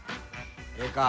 ええか。